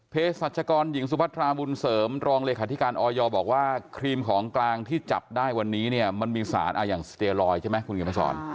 สัชกรหญิงสุพัทราบุญเสริมรองเลขาธิการออยบอกว่าครีมของกลางที่จับได้วันนี้เนี่ยมันมีสารอย่างสเตียลอยใช่ไหมคุณเขียนมาสอน